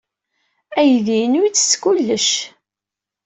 Aydi-inu yettett kullec.